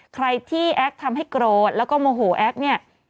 ใครที่แอ๊กทำให้โกรธแล้วก็โมโหแอ๊กเนี่ย